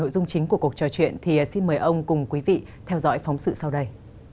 xin mời ông cùng quý vị theo dõi phóng sự sau đây